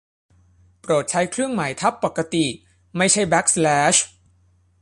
โปรดใช้เครื่องหมายทับปกติไม่ใช่แบ็กสแลช